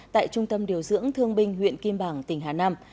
tại trung tâm điều dưỡng thương binh huyện kim bảng tỉnh hà nam